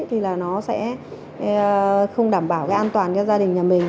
thì là nó sẽ không đảm bảo cái an toàn cho gia đình nhà mình